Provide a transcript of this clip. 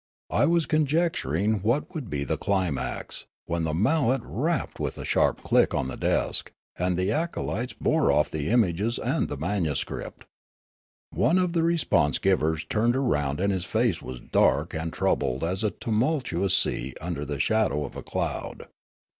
I was conjecturing what would be the climax, when the mallet rapped with a sharp click on the desk, and the acolytes bore off the images and the manuscript. One of the response givers turned around and his face was dark and trou bled as a tumultuous sea under the shadow of a cloud.